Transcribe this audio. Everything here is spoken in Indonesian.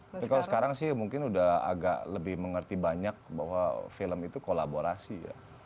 tapi kalau sekarang sih mungkin udah agak lebih mengerti banyak bahwa film itu kolaborasi ya